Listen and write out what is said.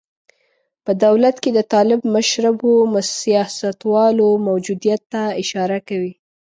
په دولت کې د طالب مشربو سیاستوالو موجودیت ته اشاره کوي.